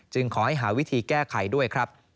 จึงขอให้หาวิธีแก้ไขด้วย